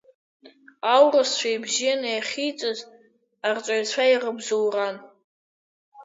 Аурысшәа ибзианы иахьиҵаз арҵаҩцәа ирыбзоуран.